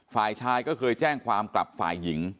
ฝ่ายชายก็เคยแจ้งความกลับฝ่ายหญิง